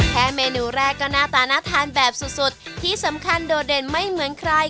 แค่เมนูแรกก็หน้าตาน่าทานแบบสุดที่สำคัญโดดเด่นไม่เหมือนใคร